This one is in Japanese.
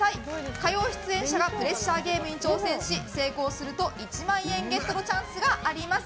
火曜出演者がプレッシャーゲームに挑戦し成功すると１万円ゲットのチャンスがあります。